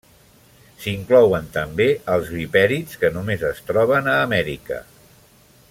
S'inclouen també els vipèrids, que només es troben a Amèrica.